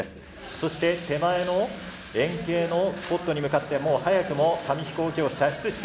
そして手前の円形のスポットに向かってもう早くも紙飛行機を射出していきました。